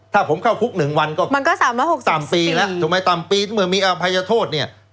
ถ้าผมเข้าคุก๑วันก็ต่ำปีแล้วทำไมต่ำปีเมื่อมีอภัยโทษ